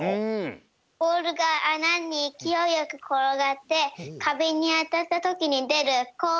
ボールがあなにいきおいよくころがってかべにあたったときにでるへえ。